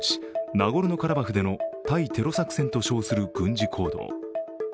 ナゴルノ・カラバフでの対テロ作戦と称する軍事行動。